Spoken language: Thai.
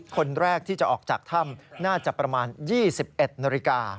คนแรกที่จะออกจากถ้ำน่าจะประมาณ๒๑นาฬิกา